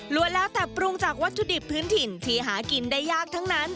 แล้วแต่ปรุงจากวัตถุดิบพื้นถิ่นที่หากินได้ยากทั้งนั้น